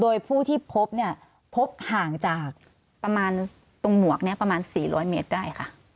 โดยผู้ที่พบเนี่ยพบห่างจากประมาณตรงหมวกเนี่ยประมาณ๔๐๐เมตรได้ค่ะ